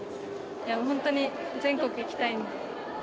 いや、本当に全国に行きたいんで。